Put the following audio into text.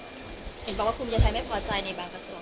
เห็นบอกว่าภูมิใจไทยไม่พอใจในบางกระทรวง